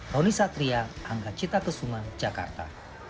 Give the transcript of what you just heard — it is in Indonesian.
roni satria angga cita kusuma jakarta